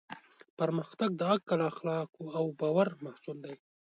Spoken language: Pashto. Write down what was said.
پرمختګ د عقل، اخلاقو او باور محصول دی.